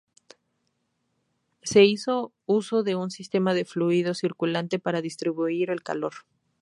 Se hizo uso de un sistema de fluido circulante para distribuir el calor.